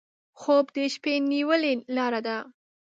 خوب د شپه نیولې لاره ده